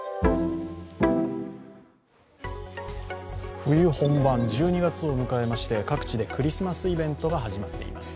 冬本番、１２月を迎えまして各地でクリスマスイベントが始まっています。